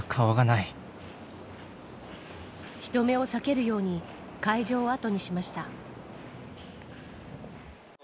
人目を避けるように会場を後にしました。